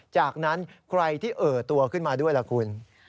จากนั้นใครที่เอ่อตัวขึ้นมาด้วยล่ะคุณ